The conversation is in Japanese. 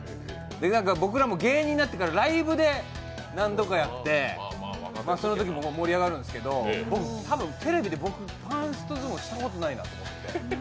僕らも芸人になってからライブで何度かやってそのときも盛り上がるんですけど多分、僕テレビでパンスト相撲したことないなって。